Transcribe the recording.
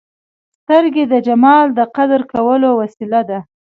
سترګې د جمال د قدر کولو وسیله ده